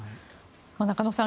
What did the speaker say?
中野さん